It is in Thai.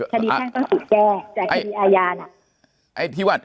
แพ่งต้องถูกแก้แต่คดีอาญาน่ะ